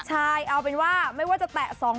ใช่เอาเป็นว่าไม่ว่าจะแตะ๒๐๐